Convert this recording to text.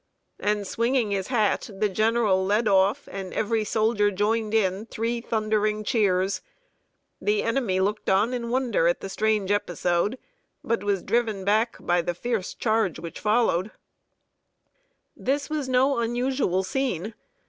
And swinging his hat, the general led off, and every soldier joined in three thundering cheers. The enemy looked on in wonder at the strange episode, but was driven back by the fierce charge which followed. [Sidenote: HOW SUMNER FOUGHT.] This was no unusual scene.